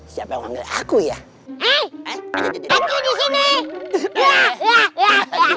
siapa yang memanggil aku ya